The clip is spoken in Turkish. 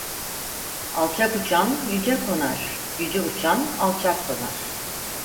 Alçak uçan yüce konar, yüce uçan alçak konar.